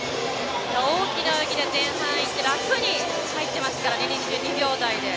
大きな泳ぎで前半いって楽に入っていましたから２２秒台で。